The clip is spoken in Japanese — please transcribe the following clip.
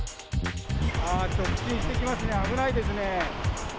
あー、直進してきますね、危ないですね。